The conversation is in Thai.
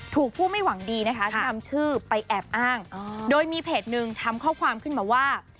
ถูกผู้ไม่หวังดีนะคะที่นำชื่อไปแอบอ้างโดยมีเพจหนึ่งทำข้อความขึ้นมาว่า